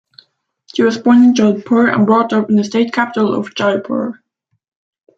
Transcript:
She was born in Jodhpur and brought up in the state capital of Jaipur.